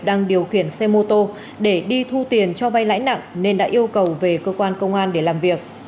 đang điều khiển xe mô tô để đi thu tiền cho vay lãi nặng nên đã yêu cầu về cơ quan công an để làm việc